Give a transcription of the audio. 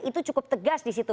itu cukup tegas di situ